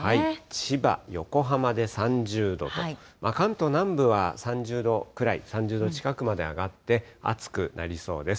千葉、横浜で３０度と、関東南部は３０度くらい、３０度近くまで上がって、暑くなりそうです。